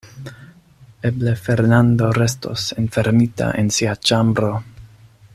Eble Fernando restos enfermita en sia ĉambro.